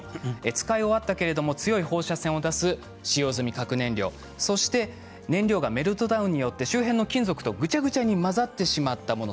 使い終わったけれど強い放射線を出す使用済み核燃料、そして燃料がメルトダウンによって周辺の金属とぐちゃぐちゃに混ざってしまったもの